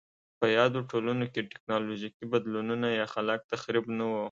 په یادو ټولنو کې ټکنالوژیکي بدلونونه یا خلاق تخریب نه و